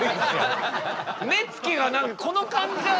目つきが何かこのかんじゃ。